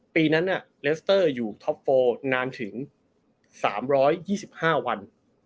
ปีนั้นอะเลสเตอร์อยู่ท็อปโฟร์นานถึงสามร้อยยี่สิบห้าวัน